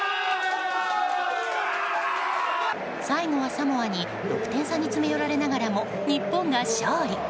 最後はサモアに６点差に詰め寄られながらも日本が勝利！